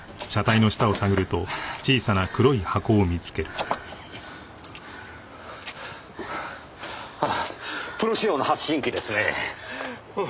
ああプロ仕様の発信機ですねぇ。